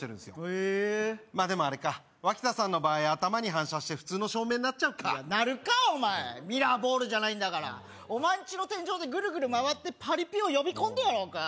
へえまあでもあれか脇田さんの場合頭に反射して普通の照明になっちゃうかなるかお前ミラーボールじゃないんだからお前んちの天井でグルグル回ってパリピを呼び込んでやろうか？